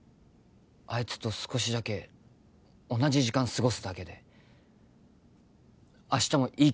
あいつと少しだけ同じ時間すごすだけで明日もいい曲作ろうとか